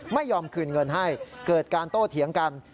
ไม่ยอมคืนเงินให้เกิดการโต้เถียงกัน